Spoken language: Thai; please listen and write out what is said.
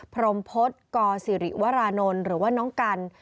พรมพฤษกศิริวรานนท์หรือว่าน้องกัน